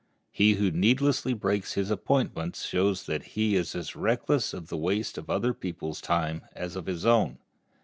He who needlessly breaks his appointments shows that he is as reckless of the waste of other people's time as of his own.